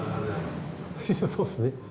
そうっすね。